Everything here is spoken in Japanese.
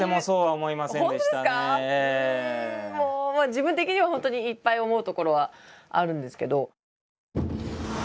自分的には本当にいっぱい思うところはあるんですけど。